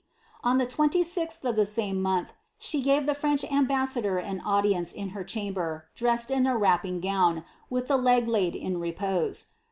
On the 2Gth of the same month, she gave the French ambassador an audience in her chamber, dressed in a wrapping gown, with the leg laid in repose.